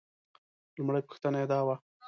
لومړۍ پوښتنه یې دا وه.